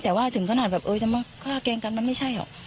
แต่ว่าถึงขนาดแบบเออจะมาฆ่าแกล้งกันมันไม่ใช่หรอก